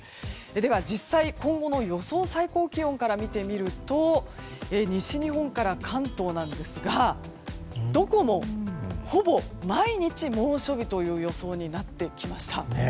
では実際、今後の予想最高気温から見てみると西日本から関東なんですがどこもほぼ毎日、猛暑日という予想になってきました。